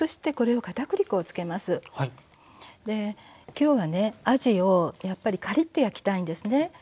きょうはねあじをやっぱりカリッと焼きたいんですね。